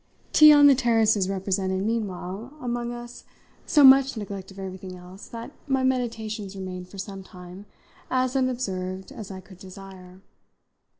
Tea on the terraces represented, meanwhile, among us, so much neglect of everything else that my meditations remained for some time as unobserved as I could desire.